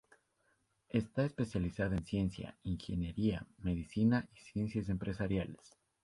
Está especializada en ciencia, ingeniería, medicina y ciencias empresariales.